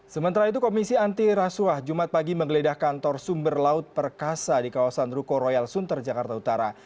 sementara itu komisi anti rasuah jumat pagi menggeledah kantor sumber laut perkasa di kawasan ruko royal sunter jakarta utara